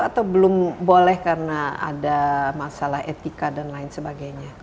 atau belum boleh karena ada masalah etika dan lain sebagainya